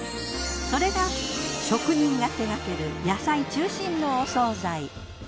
それが職人が手がける野菜中心のお惣菜。